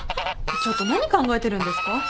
ちょっと何考えてるんですか！